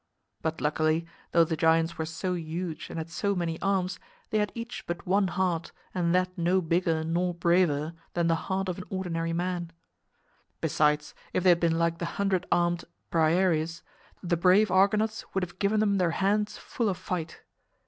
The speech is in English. But luckily, though the giants were so huge and had so many arms, they had each but one heart and that no bigger nor braver than the heart of an ordinary man. Besides, if they had been like the hundred armed Briareus, the brave Argonauts would have given them their hands full of fight.